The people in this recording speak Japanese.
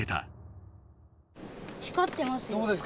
光ってますよ。